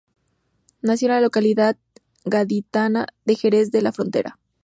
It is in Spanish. Nació en la localidad gaditana de Jerez de la Frontera.